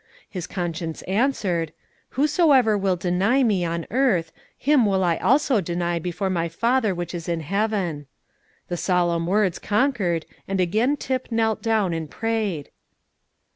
His conscience answered, "Whosoever will deny Me on earth, him will I also deny before My Father which is in heaven." The solemn words conquered, and again Tip knelt down and prayed.